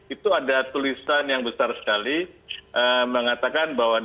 itu ada tulisan yang besar sekali mengatakan bahwa